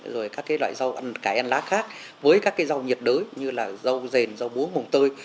rồi các loại rau cải ăn lá khác với các rau nhiệt đới như là rau rền rau búa mồng tơi